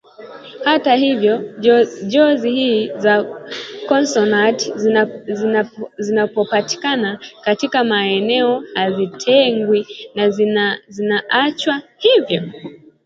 Hata hivyo jozi hizi za konsonanti zinapopatikana katikati ya maneno hazitengwi na zinaachwa hivyo